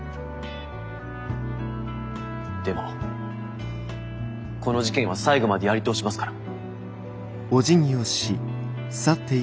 でもこの事件は最後までやり通しますから。